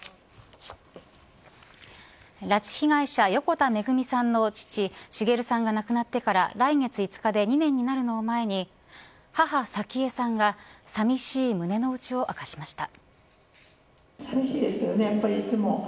拉致被害者、横田めぐみさんの父滋さんが亡くなってから来月５日で２年になるのを前に母、早紀江さんがさみしい胸の内を明かしました。